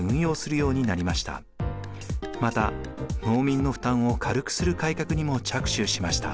また農民の負担を軽くする改革にも着手しました。